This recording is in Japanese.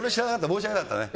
申し訳なかったね。